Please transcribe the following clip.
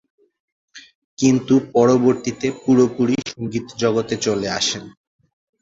কিন্তু পরবর্তীতে পুরোপুরি সঙ্গীত জগতে চলে আসেন।